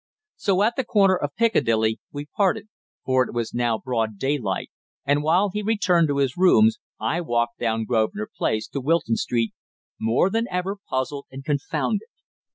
So at the corner of Piccadilly we parted, for it was now broad daylight, and while he returned to his rooms, I walked down Grosvenor Place to Wilton Street, more than ever puzzled and confounded.